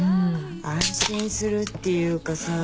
安心するっていうかさ